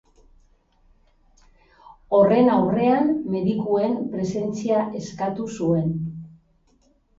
Horren aurrean, medikuen presentzia eskatu zuen.